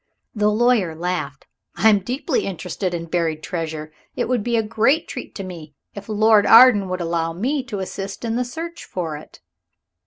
The lawyer laughed. "I am deeply interested in buried treasure. It would be a great treat to me if Lord Arden would allow me to assist in the search for it."